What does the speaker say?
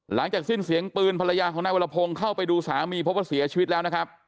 หลังจากสิ้นเสียงปืนภรรยาของนายวรพงศ์เข้าไปดูสามีพบว่าเสียชีวิตแล้วนะครับ